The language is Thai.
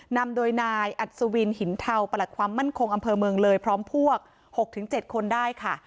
นำโดยนายอัศวินหินเทาประหลักความมั่นคงอำเภอเมืองเลยพร้อมพวก๖๗คนได้ค่ะ